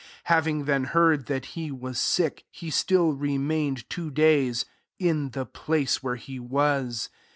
6 Having then heard that he was sick, he still remained two days in the place where he was.